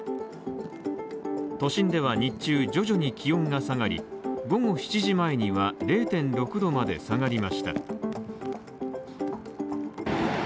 都心では日中、徐々に気温が下がり午後７時前には、０．６度まで下がりました。